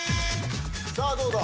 さあどうだ？